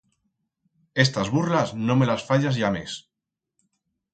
Estas burlas no me las fayas ya mes.